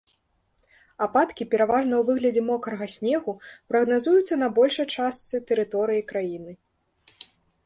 Ападкі, пераважна ў выглядзе мокрага снегу, прагназуюцца на большай частцы тэрыторыі краіны.